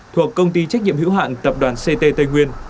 thuộc công ty trách nhiệm hữu hạn tập đoàn ct tây nguyên